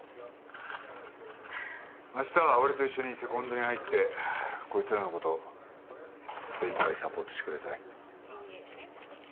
明日は俺と一緒にセコンドに入ってこいつらの事精いっぱいサポートしてください。